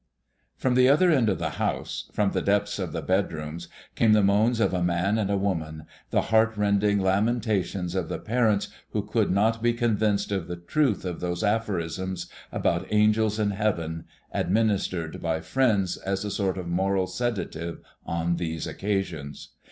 From the other end of the house, from the depths of the bedrooms, came the moans of a man and a woman, the heart rending lamentations of the parents who could not be convinced of the truth of those aphorisms about angels in heaven, administered by friends as a sort of moral sedative on these occasions.